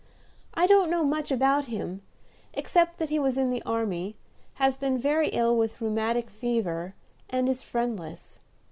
I don't know much about him, except that he was in the army, has been very ill with rheumatic fever, and is friendless.